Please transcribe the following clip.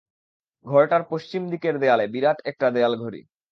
ঘরটার পশ্চিমদিকের দেয়ালে বিরাট একটা দেয়ালঘড়ি।